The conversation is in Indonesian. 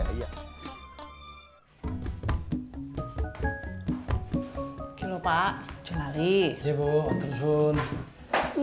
iya bu untuk pun